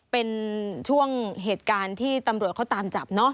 เป็นช่วงเหตุการณ์ที่ตำรวจเขาตามจับเนอะ